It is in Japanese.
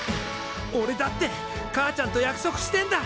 おれだってかあちゃんと約束してんだ！